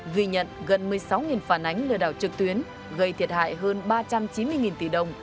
ghi nhận gần một mươi sáu phản ánh lừa đảo trực tuyến gây thiệt hại hơn ba trăm chín mươi tỷ đồng